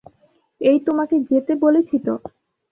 এই, তোমাকে যেতে বলেছি তো।